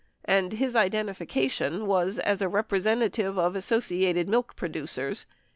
And his identification was as a representative of Associated Milk Producers